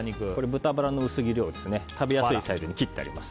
豚バラの薄切りを食べやすいサイズに切ってあります。